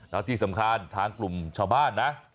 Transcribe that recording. แล้วที่สำคัญทางกลุ่มชาวบ้านนะ